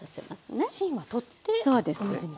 芯は取ってお水につける？